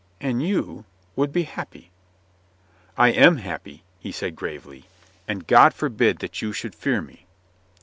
And you — would be happy." "I am happy," he said gravely, "And God for bid that you should fear mc."